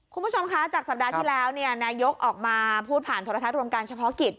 คุณผู้ชมคะจากสัปดาห์ที่แล้วนายกออกมาพูดผ่านโทรทัศน์รวมการเฉพาะกิจ